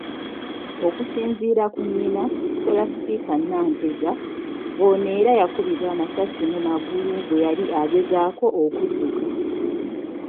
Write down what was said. Okusinziira ku nnyina, Scholastica Nanteza, ono era yakubibwa amasasi mu magulu bwe yali agezaako okudduka.